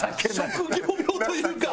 職業病というか。